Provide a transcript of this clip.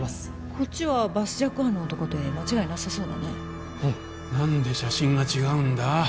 こっちはバスジャック犯の男で間違いなさそうだね何で写真が違うんだ？